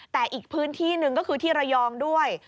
แต่อีกพื้นที่หนึ่งก็คือที่ระยองด้วย